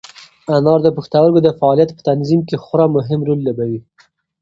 انار د پښتورګو د فعالیت په تنظیم کې خورا مهم رول لوبوي.